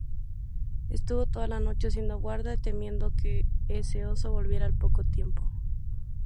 Estuvo toda la noche haciendo guardia, temiendo que ese oso volviera al poco tiempo.